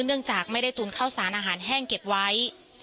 เนื่องจากไม่ได้ตุนข้าวสารอาหารแห้งเก็บไว้